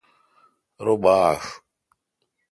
رو باݭ